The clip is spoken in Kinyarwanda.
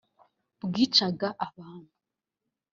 bwicaga abantu